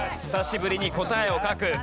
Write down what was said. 久しぶりに答えを書く。